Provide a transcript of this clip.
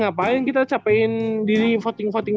ngapain kita capekin diri voting voting